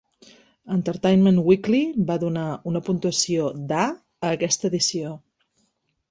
"Entertainment Weekly" va donar una puntuació d'"A" a aquesta edició.